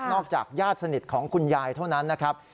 จากญาติสนิทของคุณยายเท่านั้นนะครับ